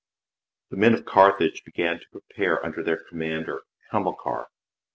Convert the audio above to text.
The men of Carthage began to prepare under their commander, Hamilcar.